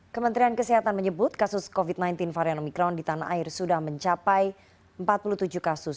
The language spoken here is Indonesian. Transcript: kementerian kesehatan menyebut kasus covid sembilan belas varian omikron di tanah air sudah mencapai empat puluh tujuh kasus